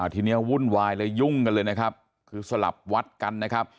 ทีนี้วุ่นวายเลยยุ่งกันเลยนะครับคือสลับวัดกันนะครับ